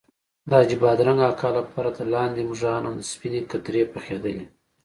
د حاجي بادرنګ اکا لپاره د لاندې مږانو سپینې کترې پخېدلې.